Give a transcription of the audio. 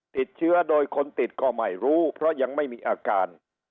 ติดเชื้อโดยคนติดก็ไม่รู้เพราะยังไม่มีอาการ